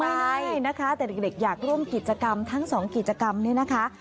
ไม่ได้นะคะแต่เด็กอยากร่วมกิจกรรมทั้ง๒กิจกรรมนี้นะคะ